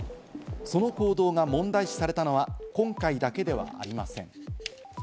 その行動が問題視されたのは、今回だけではありません。